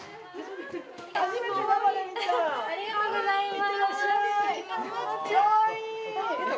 ありがとうございます。